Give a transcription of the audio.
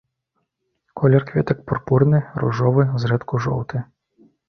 Колер кветак пурпурны, ружовы, зрэдку жоўты.